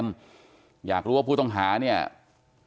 กลุ่มวัยรุ่นกลัวว่าจะไม่ได้รับความเป็นธรรมทางด้านคดีจะคืบหน้า